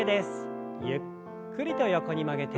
ゆっくりと横に曲げて。